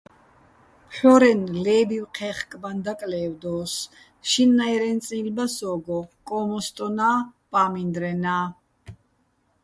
ფჰ̦ორენ ლე́ბივ ჴე́ხკბაჼ დაკლე́ვდო́ს, შინნაჲრეჼ წნილ ბა სო́გო, კო́მოსტონა́, პა́მინდრენა́.